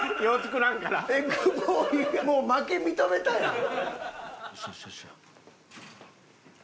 もう負け認めたやん。